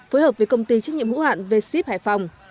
phối hợp với công ty trách nhiệm hữu hạn v ship hải phòng